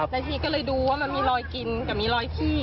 แล้วทีนี้ก็เลยดูว่ามันมีรอยกินกับมีรอยขี้